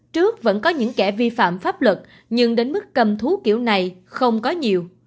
trước vẫn có những kẻ vi phạm pháp luật nhưng đến mức cầm thú kiểu này không có nhiều